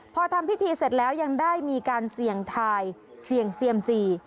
พอทำพิธีเสร็จแล้วยังได้มีการเสี่ยงทายเสี่ยงเซียมซี